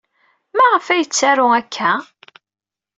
Maɣef ay yettaru akka?